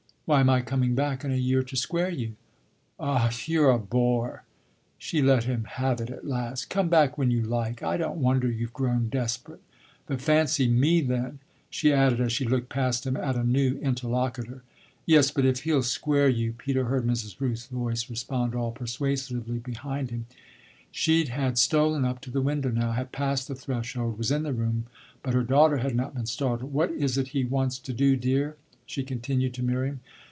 "Why my coming back in a year to square you." "Ah you're a bore!" she let him have it at last. "Come back when you like. I don't wonder you've grown desperate, but fancy me then!" she added as she looked past him at a new interlocutor. "Yes, but if he'll square you!" Peter heard Mrs. Rooth's voice respond all persuasively behind him. She had stolen up to the window now, had passed the threshold, was in the room, but her daughter had not been startled. "What is it he wants to do, dear?" she continued to Miriam.